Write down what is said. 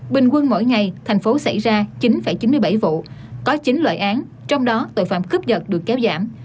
bình quân mỗi ngày thành phố xảy ra chín chín mươi bảy vụ có chín loại án trong đó tội phạm cướp giật được kéo giảm